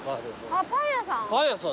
あっパン屋さん？